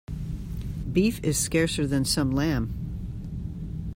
Beef is scarcer than some lamb.